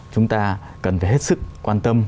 chúng ta cần phải hết sức quan tâm